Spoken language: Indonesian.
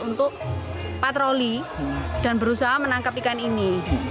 untuk patroli dan berusaha menangkap ikan ini